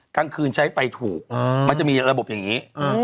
กลางคืนใช้ไฟถูกมันจะมีระบบอย่างนี้